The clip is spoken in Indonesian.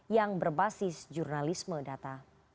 yang berbasis jurnalisme data